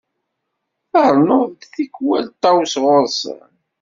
Ternuḍ-d tikwal Ṭawes ɣur-sen.